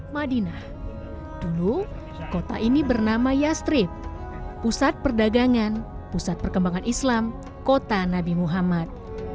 madinah dulu kota ini bernama yastrip pusat perdagangan pusat perkembangan islam kota nabi muhammad